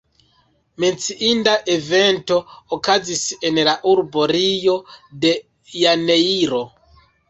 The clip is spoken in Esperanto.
Menciinda evento okazis en la urbo Rio de janeiro.